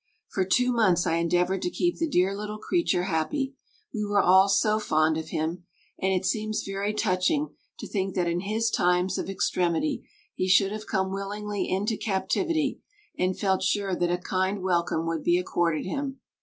For two months I endeavoured to keep the dear little creature happy; we were all so fond of him, and it seems very touching to think that in his times of extremity he should have come willingly into captivity and felt sure that a kind welcome would be accorded him.